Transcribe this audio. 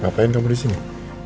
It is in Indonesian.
ngapain kamu disini